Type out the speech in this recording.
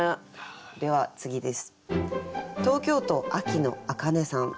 では次です。